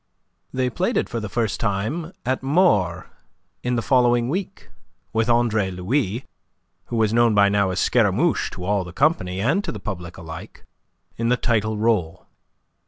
They played it for the first time at Maure in the following week, with Andre Louis who was known by now as Scaramouche to all the company, and to the public alike in the title role.